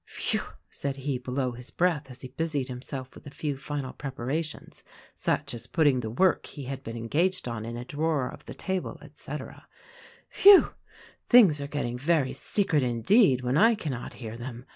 "Phew !" said he. below his breath — as he busied himself with a few final preparations — such as putting the work he had been engaged on in a drawer of the table, etc. — "Phew ! no THE RECORDING ANGEL Things are getting very secret indeed when I cannot hear them.